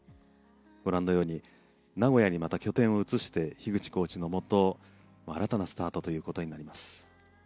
ご覧のように名古屋にまた拠点を移して樋口コーチのもと新たなスタートとなります。